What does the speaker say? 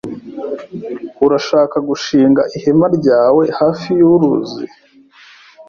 Urashaka gushinga ihema ryawe hafi yuruzi?